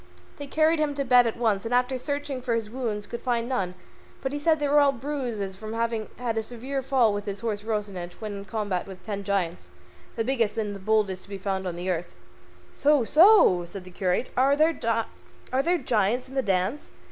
They carried him to bed at once, and after searching for his wounds could find none, but he said they were all bruises from having had a severe fall with his horse Rocinante when in combat with ten giants, the biggest and the boldest to be found on earth. "So, so!" said the curate, "are there giants in the dance?